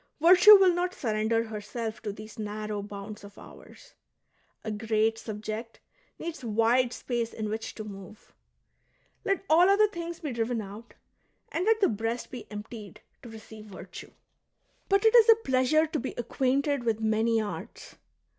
Virtue will not surrender herself to these narrow bounds of ours ; a great subject needs wide space in which to move. Let all other things be driven out, and let the breast be emptied to receive virtue. " But it is a pleasure to be acquainted with many arts."